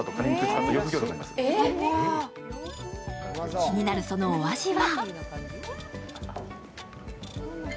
気になるそのお味は？